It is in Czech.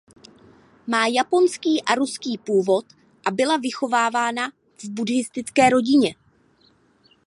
Má japonský a ruský původ a byla vychovávána buddhistické rodině.